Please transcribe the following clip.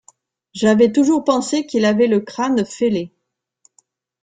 J’avais toujours pensé qu’il avait le crâne fêlé!...